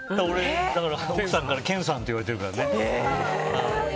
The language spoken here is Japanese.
だから奥さんからケンさんって呼ばれてるからね。